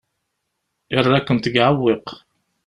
Yerra-kent deg uɛewwiq.